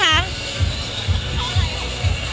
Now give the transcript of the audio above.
เพราะอะไรครับ